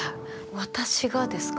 私がですか？